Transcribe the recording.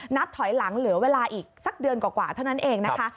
นับถอยหลังเหลือเวลาอีกสักเดือนกว่าเท่านั้นเองนะคะ